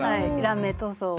ラメ塗装を。